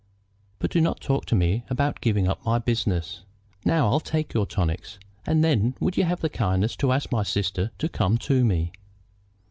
But do not talk to me about giving up my business. Now I'll take your tonics, and then would you have the kindness to ask my sister to come to me?"